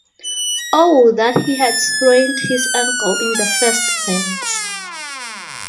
Oh that he had sprained his ankle in the first dance!